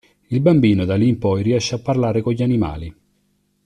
Il bambino da lì in poi riesce a parlare con gli animali.